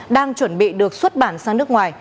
đang chuẩn bị được xuất bản sang nước ngoài